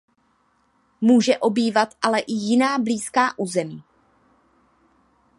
Může obývat ale i jiná blízká území.